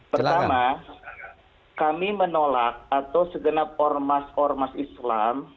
pertama kami menolak atau segenap ormas ormas islam